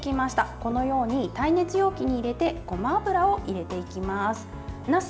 このように耐熱容器に入れてごま油を入れていきます。